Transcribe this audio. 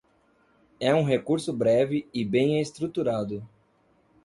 É um recurso breve e bem estruturado.